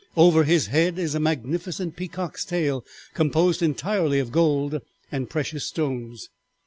Over his head is a magnificent peacock's tail composed entirely of gold and precious stones.